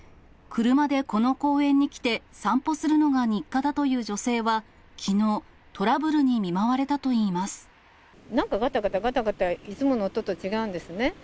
車でこの公園に来て、散歩するのが日課だという女性は、きのう、トラブルに見舞われたとなんか、がたがたがたがた、いつもの音と違うんですね。